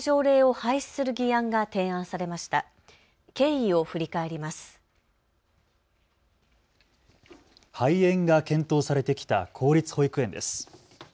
廃園が検討されてきた公立保育園です。